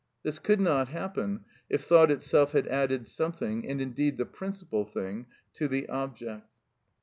This could not happen if thought itself had added something, and, indeed, the principal thing, to the object.